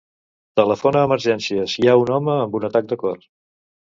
Telefona a Emergències; hi ha un home amb un atac de cor.